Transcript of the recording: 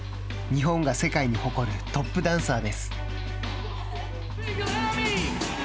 日本が世界に誇るトップダンサーです。